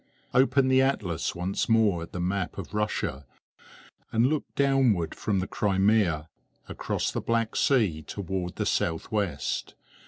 Open the atlas once more at the map of Russia, and look downward from the Crimea, across the Black Sea toward the southwest.